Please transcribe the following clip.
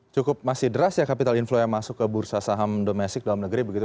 cukup masih deras ya capital inflow yang masuk ke bursa saham domestik dalam negeri begitu